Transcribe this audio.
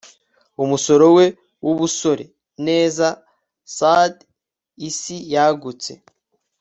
Umusore we wubusore neza savd isi yagutse